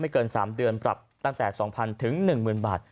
ไม่เกินสามเดือนปรับตั้งแต่สองพันถึงหนึ่งหมื่นบาท